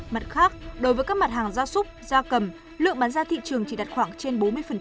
mặt khác đối với các mặt hàng ra súc ra cầm lượng bán ra thị trường chỉ đặt khoảng trên bốn mươi